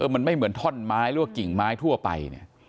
มันไม่เหมือนท่อนไม้หรือกิ่งไม้ทั่วไป